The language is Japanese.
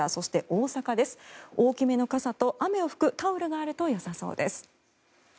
大きめの傘と雨を拭くタオルがあるとよさそうです。